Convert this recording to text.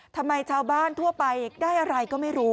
ชาวบ้านทั่วไปได้อะไรก็ไม่รู้